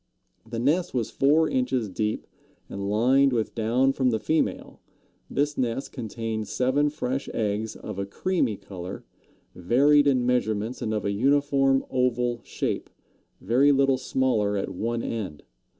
The nest was four inches deep and lined with down from the female. This nest contained seven fresh eggs of a creamy color, varied in measurements and of a uniform oval shape, very little smaller at one end.